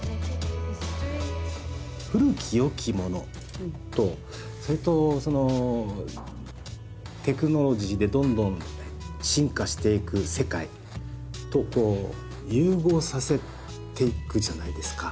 古き良きものとそれとそのテクノロジーでどんどん進化していく世界とこう融合させていくじゃないですか。